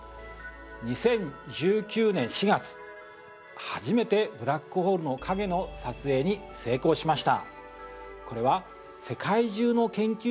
２０１９年４月初めてブラックホールの影の撮影に成功しました。